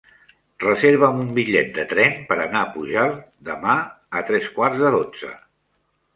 Reserva'm un bitllet de tren per anar a Pujalt demà a tres quarts de dotze.